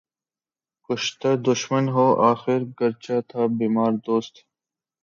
کُشتۂ دشمن ہوں آخر، گرچہ تھا بیمارِ دوست